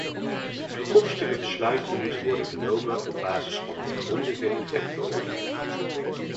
Toekomstige besluiten moeten worden genomen op basis van een grondige effectbeoordeling.